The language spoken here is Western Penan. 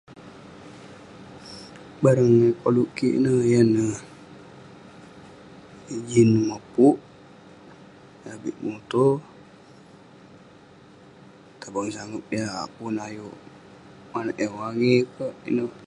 Barang koluk kik ineh yan neh ijin mopuk, [unintelligible] muto, tabang sangep yah pun ayuk manouk eh wangi. [unintelligible]